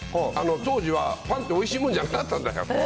当時はパンっておいしいものじゃなかったんだよ。